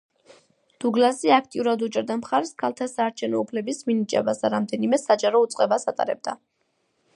დუგლასი აქტიურად უჭერდა მხარს ქალთა საარჩევნო უფლების მინიჭებას და რამდენიმე საჯარო უწყებას ატარებდა.